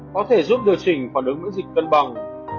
có thể giúp điều chỉnh phản ứng miễn dịch cân bằng